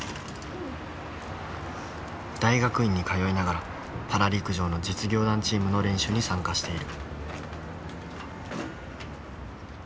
大学院に通いながらパラ陸上の実業団チームの練習に参加している。